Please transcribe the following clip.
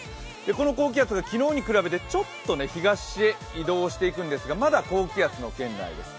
この高気圧が昨日に比べてちょっと東へ移動していくんですがまだ高気圧の圏内です。